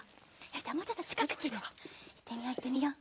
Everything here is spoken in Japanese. じゃあもうちょっとちかくにいってみよういってみよう。